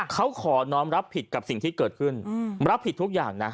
เขาขอน้องรับผิดกับสิ่งที่เกิดขึ้นรับผิดทุกอย่างนะ